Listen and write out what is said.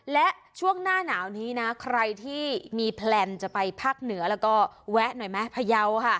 และช่วงหน้าหนาวนี้นะใครที่มีแพลนจะไปภาคเหนือแล้วก็แวะหน่อยไหมพยาวค่ะ